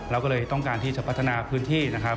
เราก็เลยต้องการที่จะพัฒนาพื้นที่นะครับ